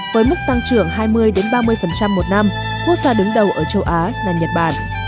với mức tăng trưởng hai mươi ba mươi một năm quốc gia đứng đầu ở châu á là nhật bản